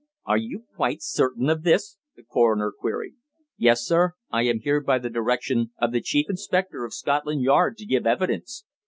"Are you quite certain of this?" the coroner queried. "Yes, sir. I am here by the direction of the Chief Inspector of Scotland Yard to give evidence.